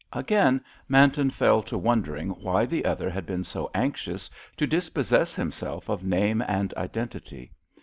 Again Manton fell to wondering why the other had been so anxious to dispossess himself of name and identity.